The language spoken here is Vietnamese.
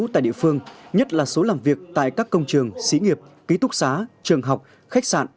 tại địa phương nhất là số làm việc tại các công trường xí nghiệp ký túc xá trường học khách sạn